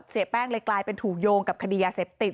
แป้งเลยกลายเป็นถูกโยงกับคดียาเสพติด